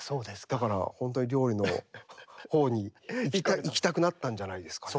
だから本当に料理のほうにいきたくなったんじゃないですかね。